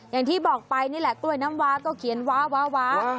อย่างที่บอกไปนี่แหละกล้วยน้ำวาก็เขียนว้าว